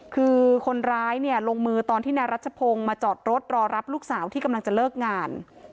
คือคนร้ายเนี่ยลงมือตอนที่นายรัชพงศ์มาจอดรถรอรับลูกสาวที่กำลังจะเลิกงาน